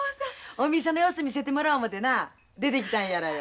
お店の様子見せてもらおう思てな出てきたんやらよ。